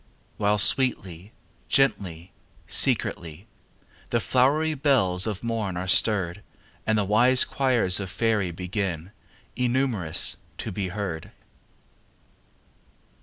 While sweetly, gently, secretly, The flowery bells of morn are stirred And the wise choirs of faery Begin (innumerous!) to be heard.